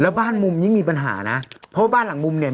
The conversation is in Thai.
แล้วบ้านมุมนี้มีปัญหานะเพราะว่าบ้านหลังมุมเนี่ย